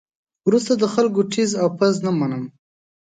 وروسته د خلکو ټز او پز نه منم.